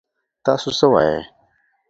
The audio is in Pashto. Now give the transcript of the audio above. تاسو څه وايي ؟